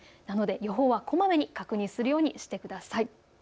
なので予報はこまめに確認するようにしてください。